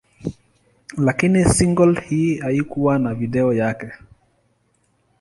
Lakini single hii haikuwa na video yake.